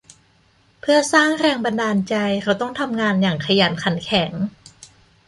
เพื่อสร้างแรงบันดาลใจเราต้องทำงานอย่างขยันขันแข็ง